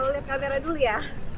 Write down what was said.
lihat kamera dulu ya